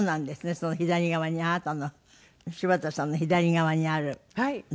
その左側にあなたの柴田さんの左側にあるの。